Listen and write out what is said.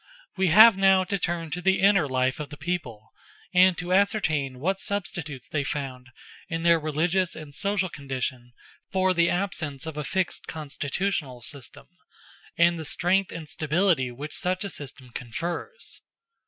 We have now to turn to the inner life of the people, and to ascertain what substitutes they found in their religious and social condition, for the absence of a fixed constitutional system, and the strength and stability which such a system confers.